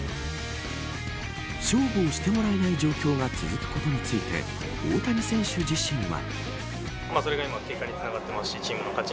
勝負をしてもらえない状況が続くことについて大谷選手自身は。